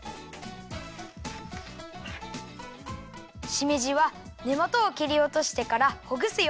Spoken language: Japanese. しめじはねもとをきりおとしてからほぐすよ。